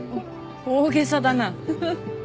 大げさだな。